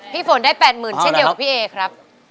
ฝนได้๘๐๐๐เช่นเดียวกับพี่เอครับ